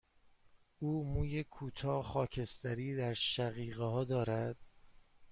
او موی کوتاه، خاکستری در شقیقه ها دارد.